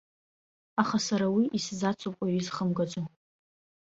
Аха сара уи исзацуп уаҩ изхымгаӡо.